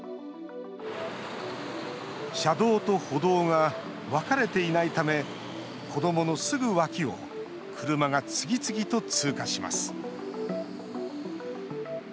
車道と歩道が分かれていないため、子どものすぐ脇を車が次々と通過します。